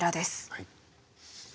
はい。